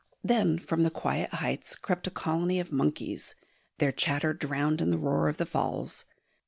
Then from the quiet heights crept a colony of monkeys, their chatter drowned in the roar of the Falls.